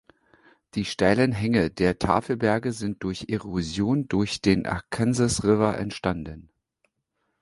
Die steilen Hänge der Tafelberge sind durch Erosion durch den Arkansas River entstanden.